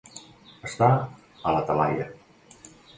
Estar a la talaia.